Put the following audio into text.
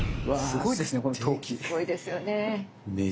すごいですよね。